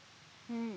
うん。